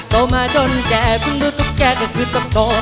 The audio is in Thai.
โตมาจนแก่เพิ่งรู้ตุ๊กแก่ก็คือต้องโต